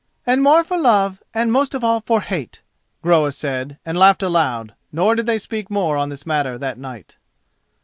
"And more for love, and most of all for hate," Groa said, and laughed aloud; nor did they speak more on this matter that night.